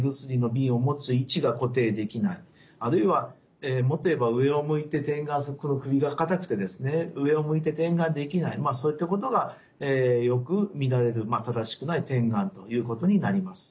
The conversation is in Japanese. あるいは持てば上を向いて点眼するこの首が硬くてですね上を向いて点眼できないそういったことがよく見られる正しくない点眼ということになります。